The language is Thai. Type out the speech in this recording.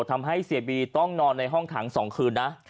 ทำให้เสียบีต้องนอนในห้องขัง๒คืนนะ